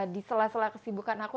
di sela sela kesibukan aku